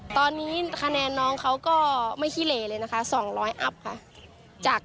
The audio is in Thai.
ตอนนี้คะแนนน้องเขาก็ไม่ขี้เหลเลยนะคะ๒๐๐อัพค่ะ